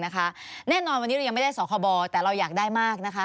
แน่นอนวันนี้เรายังไม่ได้สคบแต่เราอยากได้มากนะคะ